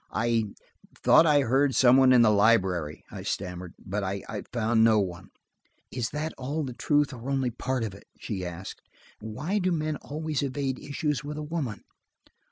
"I–thought I heard some one in the library," I stammered, "but I found no one." "Is that all the truth or only part of it?" she asked. "Why do men always evade issues with a woman?"